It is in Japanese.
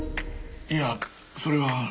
いやそれは。